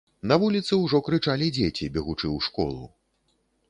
На вуліцы ўжо крычалі дзеці, бегучы ў школу.